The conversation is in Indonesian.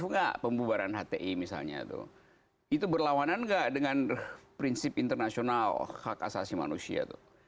mengapa anda mengatakan ini berubah dengan prinsip internasional hak asasi manusia